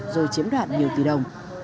rồi chiếm đoạt nhiều tỷ đồng